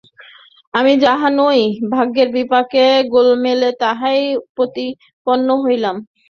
আমি যাহা নই ভাগ্যের বিপাকে গোলেমালে তাহাই প্রতিপন্ন হইলাম।